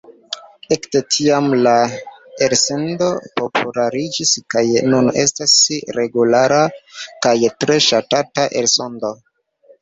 Ekde tiam la elsendo populariĝis kaj nun estas regula kaj tre ŝatata elsendo.